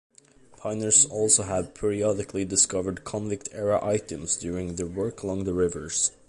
Piners also have periodically discovered convict era items during their work along the rivers.